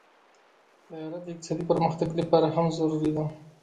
طیاره د اقتصادي پرمختګ لپاره هم ضروري ده.